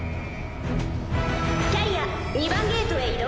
キャリア２番ゲートへ移動。